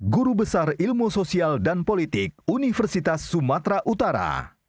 guru besar ilmu sosial dan politik universitas sumatera utara